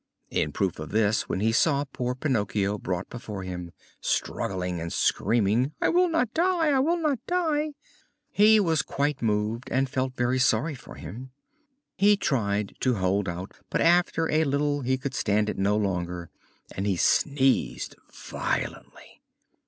In proof of this, when he saw poor Pinocchio brought before him, struggling and screaming "I will not die, I will not die!" he was quite moved and felt very sorry for him. He tried to hold out, but after a little he could stand it no longer and he sneezed violently.